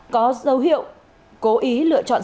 có dấu hiệu cố ý lựa chọn